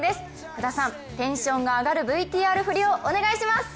福田さん、テンションが上がるＶＴＲフリをお願いします。